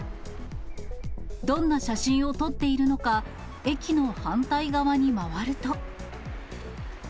どんな写真を撮っているのか、駅の反対側に回ると。